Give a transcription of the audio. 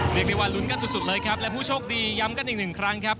เรียกได้ว่าลุ้นกันสุดเลยครับและผู้โชคดีย้ำกันอีกหนึ่งครั้งครับ